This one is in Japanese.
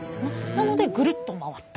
なのでグルッと回った。